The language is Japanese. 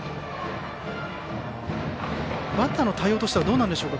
バッターの対応としてはどうですか。